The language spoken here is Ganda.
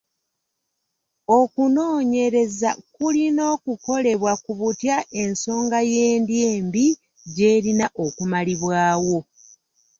Okunoonyereza kulina okukolebwa ku butya ensonga y'endya embi gy'erina okumalibwawo.